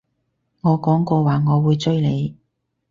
我講過話我會追你